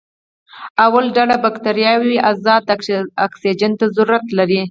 لومړۍ ډله بکټریاوې ازاد اکسیجن ته ضرورت لري.